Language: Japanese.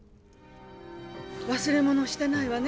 忘れ物をしてないわね？